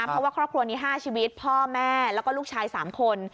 เพราะว่าครอบครัวนี้๕ชีวิตพ่อแม่แล้วก็ลูกชาย๓คน